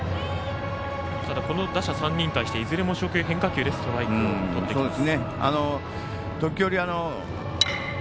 打者３人に対していずれも初球、変化球でストライクをとってきます。